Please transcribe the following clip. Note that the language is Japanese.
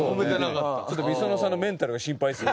ｍｉｓｏｎｏさんのメンタルが心配ですよ。